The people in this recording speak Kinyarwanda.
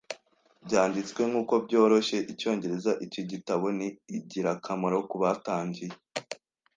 Byanditswe nkuko byoroshye Icyongereza, iki gitabo ni ingirakamaro kubatangiye.